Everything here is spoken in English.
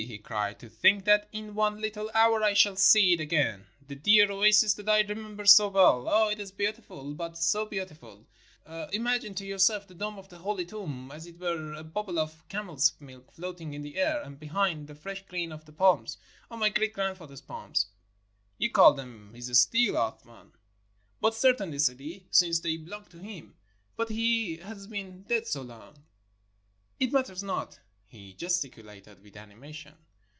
he cried, "to think that in one little hour I shall see it again — the dear oasis that I remember so well. Ah, it is beautiful — but so beautiful ! Imagine to yourself the dome of the holy tomb, as it were a bub ble of camel's milk floating in the air; and behind, the fresh green of the palms. Ah, my great grandfather's palms —" "You call them his still, Athman?" "But certainly, Sidi, since they belonged to him." "But he has been dead so long." "It matters not," he gesticulated with animation.